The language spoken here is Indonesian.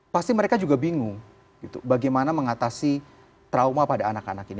pasti mereka juga bingung bagaimana mengatasi trauma pada anak anak ini